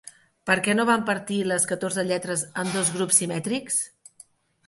Per què no van partir les catorze lletres en dos grups simètrics?